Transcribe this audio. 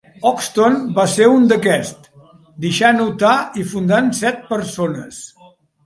Ogston va ser un d'aquests, deixant Utah i fundant set persones.